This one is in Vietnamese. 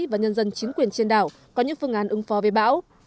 và nhân dân chính quyền trên đảo có những phương án ứng phò về bão